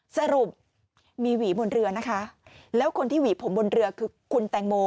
สรุปมีหวีบนเรือนะคะแล้วคนที่หวีผมบนเรือคือคุณแตงโม